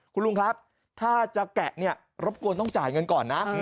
คุณลุงครับถ้าจะแกะเนี่ยรบกวนต้องจ่ายเงินก่อนนะ